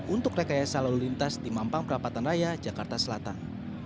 untuk rekayasa lalu lintas di mampang perapatan raya jakarta selatan